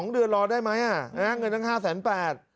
๒เดือนรอได้ไหมเงินตั้ง๕๘๐๐บาท